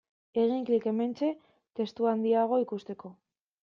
Egin klik hementxe testua handiago ikusteko.